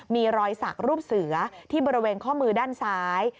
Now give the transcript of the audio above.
มีรอยสักรูปเสือที่บริเวณข้อมือด้านซ้าย